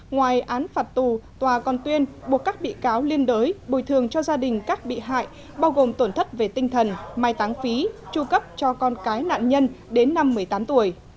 ngoài án phạt tù tòa còn tuyên buộc các bị cáo liên đới bồi thường cho gia đình các bị hại bao gồm tổn thất về tinh thần mai táng phí tru cấp cho con cái nạn nhân đến năm một mươi tám tuổi